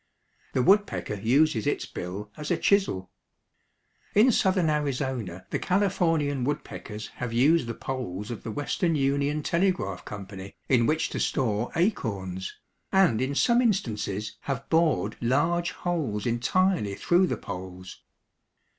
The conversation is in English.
The woodpecker uses its bill as a chisel. In southern Arizona the Californian woodpeckers have used the poles of the Western Union Telegraph Company in which to store acorns, and in some instances have bored large holes entirely through the poles.